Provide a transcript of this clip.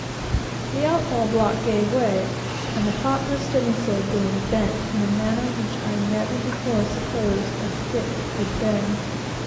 The outhaul block gave way, and the topmast studding sail boom bent in a manner which I never before supposed a stick could bend.